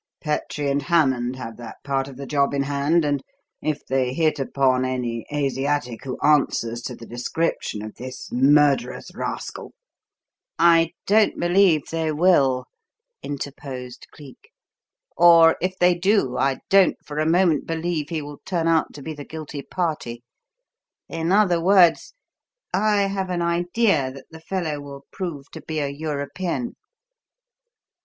Petrie and Hammond have that part of the job in hand, and if they hit upon any Asiatic who answers to the description of this murderous rascal " "I don't believe they will," interposed Cleek; "or, if they do, I don't for a moment believe he will turn out to be the guilty party. In other words, I have an idea that the fellow will prove to be a European."